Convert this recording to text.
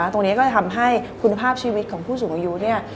ตรงนี้ก็จะทำให้คุณภาพชีวิตของผู้สูงอายุเนี่ย